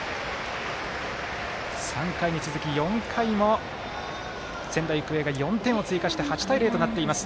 ３回に続き、４回も仙台育英が４点を追加して８対０となっています。